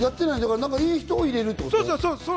いい人を入れるってこと。